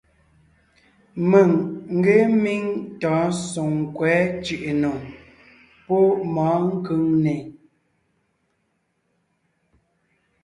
Mèŋ ngee míŋ tɔ̌ɔn Soŋkwɛ̌ Cʉ̀ʼʉnò pɔ́ mɔ̌ɔn Kʉŋnè.